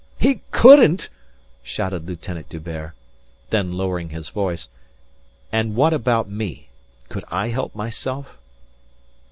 "He couldn't?" shouted Lieutenant D'Hubert. Then lowering his voice, "And what about me? Could I help myself?"